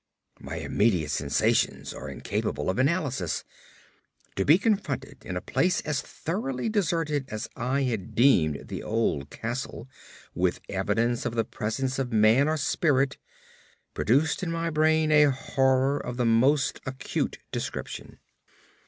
My immediate sensations are incapable of analysis. To be confronted in a place as thoroughly deserted as I had deemed the old castle with evidence of the presence of man or spirit, produced in my brain a horror of the most acute description.